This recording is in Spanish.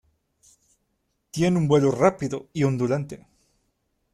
Tiene un vuelo rápido y ondulante.